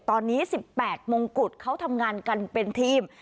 ตอนนี้๑๘มงกุฎเขาทำงานกันเป็นทีม